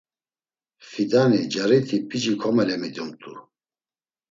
Fidani cariti p̌ici komelemidumt̆u.